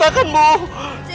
dia menjadi manusia